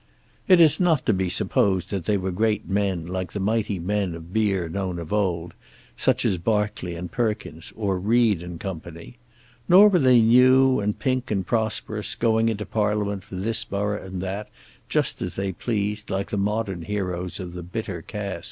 It is not to be supposed that they were great men like the mighty men of beer known of old, such as Barclay and Perkins, or Reid and Co. Nor were they new, and pink, and prosperous, going into Parliament for this borough and that, just as they pleased, like the modern heroes of the bitter cask.